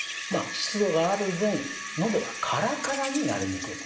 湿度がある分喉がカラカラになりにくいんですね。